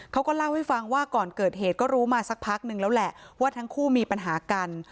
เขาก็เล่าให้ฟังว่าก่อนเกิดเหตุก็รู้มาสักพักนึงแล้วแหละว่าทั้งคู่มีปัญหากัน